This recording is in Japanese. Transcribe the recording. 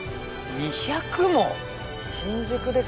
２００も！